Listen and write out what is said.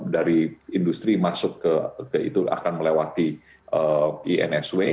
dari industri masuk ke itu akan melewati insw